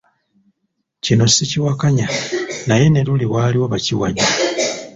Kino sikiwakanya, naye ne luli waaliwo bakiwagi.